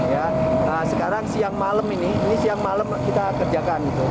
nah sekarang siang malam ini ini siang malam kita kerjakan